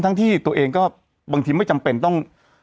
ที่ตัวเองก็บางทีไม่จำเป็นต้อง